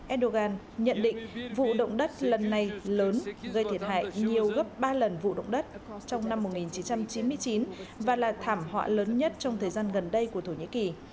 erdogan nhận định vụ động đất lần này lớn gây thiệt hại nhiều gấp ba lần vụ động đất trong năm một nghìn chín trăm chín mươi chín và là thảm họa lớn nhất trong thời gian gần đây của thổ nhĩ kỳ